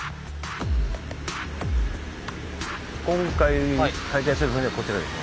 今回解体する船はこちらです。